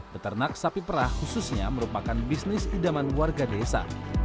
beternak sapi perah khususnya merupakan bisnis idaman warga desa